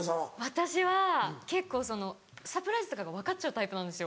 私は結構そのサプライズとかが分かっちゃうタイプなんですよ。